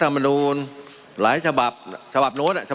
มันมีมาต่อเนื่องมีเหตุการณ์ที่ไม่เคยเกิดขึ้น